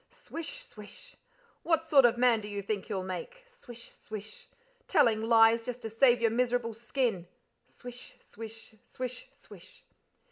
Swish, swish. "What sort of a man do you think you'll make?" Swish, swish. "Telling lies just to save your miserable skin!" Swish, swish, swish, swish.